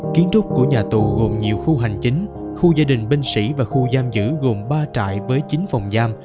kiến trúc của nhà tù gồm nhiều khu hành chính khu gia đình binh sĩ và khu giam giữ gồm ba trại với chín phòng giam